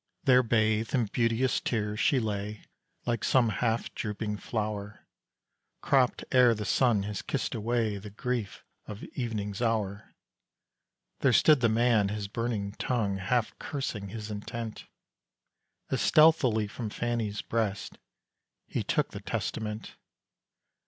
There bathed in beauteous tears she lay, Like some half drooping flower, Cropt ere the sun had kissed away The grief of evening's hour. There stood the man; his burning tongue Half cursing his intent, As stealthily from Fanny's breast He took the Testament.